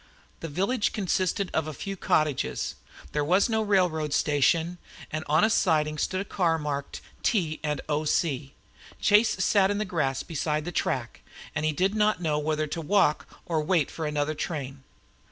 The village consisted of a few cottages; there was no railroad station, and on a siding stood a car marked T. & O. C. Chase sat in the grass beside the track, and did not know whether to walk on or wait for another train.